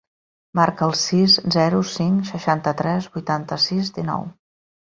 Marca el sis, zero, cinc, seixanta-tres, vuitanta-sis, dinou.